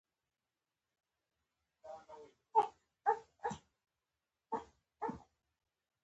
د افغانانو په درد ډیره دردمنه وه.